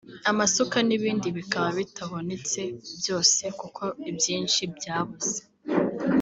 amasuka n’ibindi bikaba bitabonetse byose kuko ibyinshi byabuze